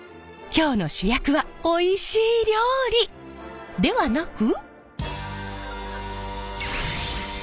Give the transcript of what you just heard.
今日の主役はおいしい料理！ではなく。